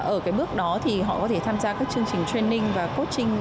ở cái bước đó thì họ có thể tham gia các chương trình training và coeting